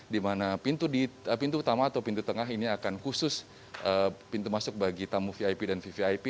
di mana pintu utama atau pintu tengah ini akan khusus pintu masuk bagi tamu vip dan vvip